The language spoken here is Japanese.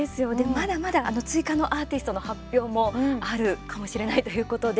まだまだ追加のアーティストの発表もあるかもしれないということで。